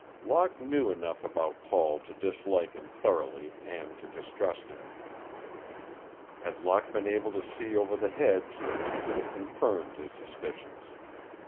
Locke knew enough about Paul to dislike him thoroughly and to distrust him. Had Locke been able to see over the hedge he would have confirmed his suspicions.